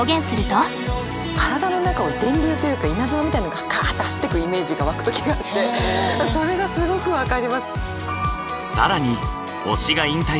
体の中を電流というか稲妻みたいのがかぁって走っていくイメージが湧く時があってそれがすごく分かります。